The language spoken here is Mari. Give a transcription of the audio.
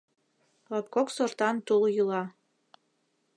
Латкок сортан тул йӱла.